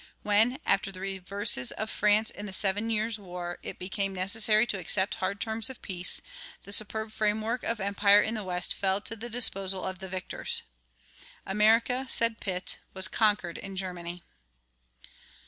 When, after the reverses of France in the Seven Years' War, it became necessary to accept hard terms of peace, the superb framework of empire in the West fell to the disposal of the victors. "America," said Pitt, "was conquered in Germany."